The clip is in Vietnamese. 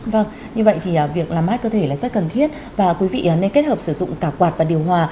vâng như vậy thì việc làm mát cơ thể là rất cần thiết và quý vị nên kết hợp sử dụng cả quạt và điều hòa